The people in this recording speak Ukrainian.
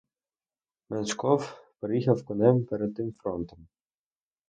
Меншиков переїхав конем перед тим фронтом.